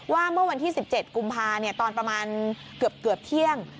เมื่อวันที่๑๗กุมภาตอนประมาณเกือบเที่ยง